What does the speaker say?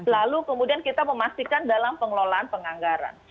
lalu kemudian kita memastikan dalam pengelolaan penganggaran